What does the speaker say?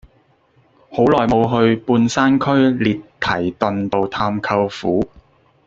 好耐無去半山區列堤頓道探舅父